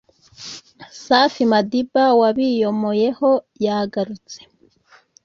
safi madiba wabiyomoyeho yagarutse